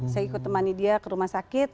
saya ikut temani dia ke rumah sakit